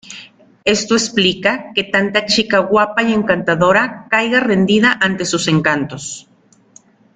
Esto explica que tanta chica guapa y encantadora caiga rendida ante sus encantos.